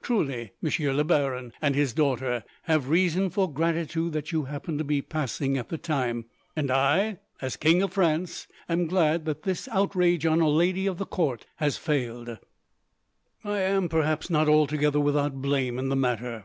Truly, Monsieur le Baron and his daughter have reason for gratitude that you happened to be passing at the time; and I, as King of France, am glad that this outrage on a lady of the court has failed. "I am, perhaps, not altogether without blame in the matter.